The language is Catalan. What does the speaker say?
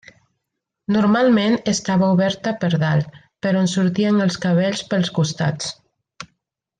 Normalment estava oberta per dalt, per on sortien els cabells pels costats.